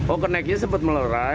oh keneknya sempat melerai dipukul juga